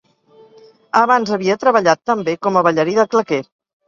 Abans havia treballat, també, com a ballarí de claqué.